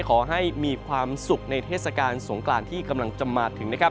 ขอให้มีความสุขในเทศกาลสงกรานที่กำลังจะมาถึงนะครับ